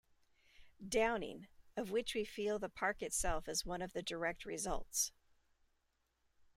Downing, of which we feel the Park itself is one of the direct results.